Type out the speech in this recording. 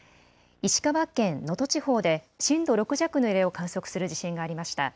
石川県能登地方で震度６弱の揺れを観測する地震がありました。